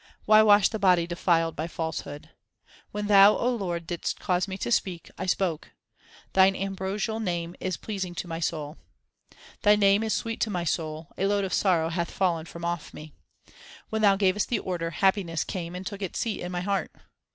Why wash the body defiled by falsehood ? When Thou, Lord, didst cause me to speak, I spoke. Thine ambrosial name is pleasing to my soul. 328 THE SIKH RELIGION Thy name is sweet to my soul ; a load of sorrow hath fallen from off me. When Thou gavest the order, happiness came and took its seat in my heart.